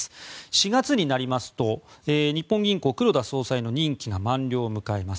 ４月になりますと日本銀行、黒田総裁の任期が満了を迎えます。